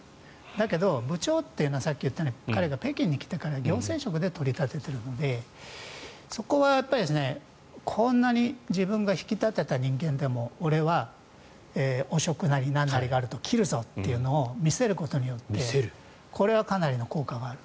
だけど部長というのはさっき言ったように彼が北京に来てから彼が行政職で取り立てているのでそこはこんなに自分が引き立てた人間では俺は汚職なりなんなりがあると切るぞというのを見せることによってこれはかなりの効果がある。